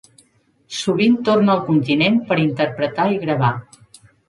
Sovint torna al continent per interpretar i gravar.